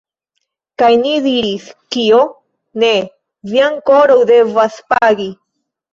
Kaj ni diris: Kio? Ne, vi ankoraŭ devas pagi.